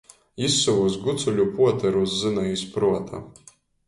Jī sovus gucuļu puoterus zyna iz pruota.